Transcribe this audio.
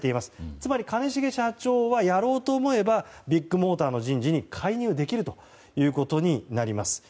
つまり兼重社長はやろうと思えばビッグモーターの人事に介入できることになります。